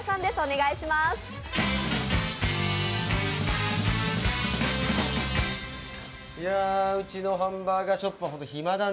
いや、うちのハンバーガーショップ、暇だね。